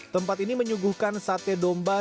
tempat ini menyuguhkan sate domba